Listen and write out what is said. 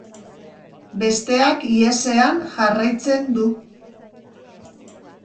Besteak ihesean jarraitzen du.